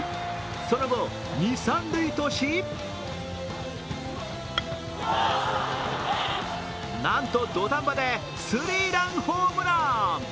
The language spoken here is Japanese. その後、二・三塁としなんと土壇場でスリーランホームラン。